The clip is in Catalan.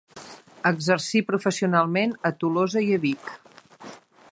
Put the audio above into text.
Exercí professionalment a Tolosa i a Vic.